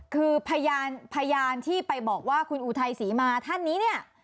คือพยานที่ไปบอกว่าคุณอุทัยศรีมาท่านนี้เนี่ย